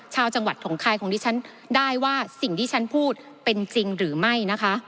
ชาวจังหวัดของใครได้ว่าสิ่งที่ฉันพูดเป็นจริงหรือไม่